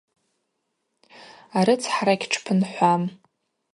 Арыцхӏара гьтшпынхӏвам.